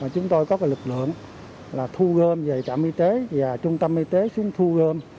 chúng tôi có lực lượng thu gom về trạm y tế và trung tâm y tế xuống thu gom